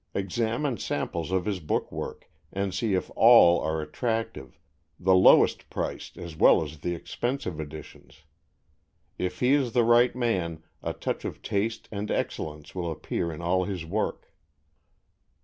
Examine samples of his book work, and see if all are attractive, the lowest priced as well as the expensive editions. If he is the right man, a touch of taste and excellence will appear in all his work.